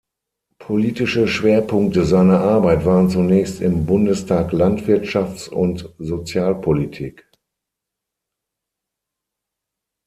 Politische Schwerpunkte seiner Arbeit waren zunächst im Bundestag Landwirtschafts- und Sozialpolitik.